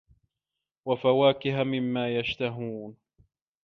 وَفَواكِهَ مِمّا يَشتَهونَ